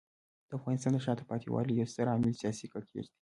د افغانستان د شاته پاتې والي یو ستر عامل سیاسي کړکېچ دی.